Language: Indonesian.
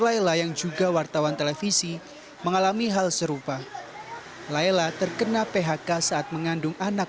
laila yang juga wartawan televisi mengalami hal serupa laila terkena phk saat mengandung anak